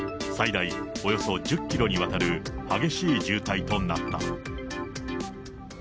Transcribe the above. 最大およそ１０キロにわたる激しい渋滞となった。